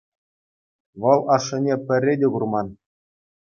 Вӑл ашшӗне пӗрре те курман.